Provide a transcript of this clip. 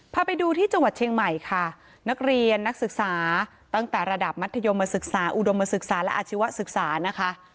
พาไปดูที่จังหวัดเชียงใหม่ค่ะนักเรียนนักศึกษาตั้งแต่ระดับมัธยมศึกษาอุดมศึกษาและอาชีวศึกษานะคะ